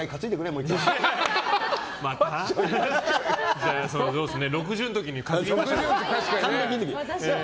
じゃあ、６０の時に担ぎましょう。